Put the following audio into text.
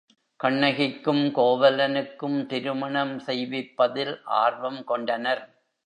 கண்ணகிக்கும் கோவலனுக்கும் திருமணம் செய்விப்பதில் ஆர்வம் கொண்டனர்.